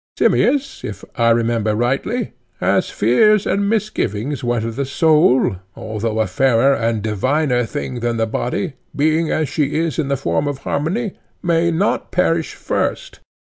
Simmias, if I remember rightly, has fears and misgivings whether the soul, although a fairer and diviner thing than the body, being as she is in the form of harmony, may not perish first.